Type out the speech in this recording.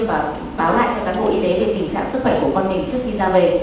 và báo lại cho cán bộ y tế về tình trạng sức khỏe của con mình trước khi ra về